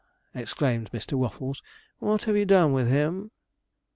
exclaimed Mr. Waffles, 'what have you done with him?'